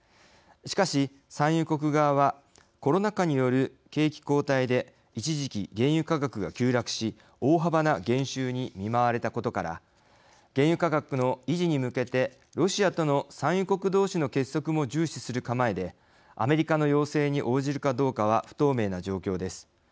しかし、産油国側はコロナ禍による景気後退で一時期、原油価格が急落し大幅な減収に見舞われたことから原油価格の維持に向けてロシアとの産油国どうしの結束も重視する構えでアメリカの要請に応じるかどうかは不透明な状況です。